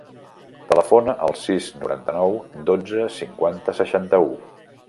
Telefona al sis, noranta-nou, dotze, cinquanta, seixanta-u.